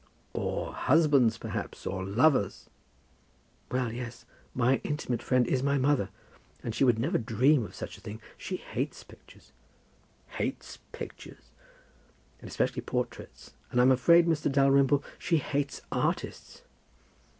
"Or husbands, perhaps, or lovers?" "Well, yes; my intimate friend is my mother, and she would never dream of such a thing. She hates pictures." "Hates pictures!" "And especially portraits. And I'm afraid, Mr. Dalrymple, she hates artists."